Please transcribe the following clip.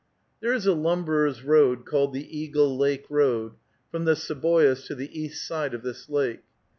There is a lumberer's road called the Eagle Lake road, from the Seboois to the east side of this lake.